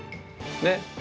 ねっ。